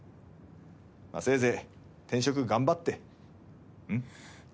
まあせいぜい転職頑張ってうん。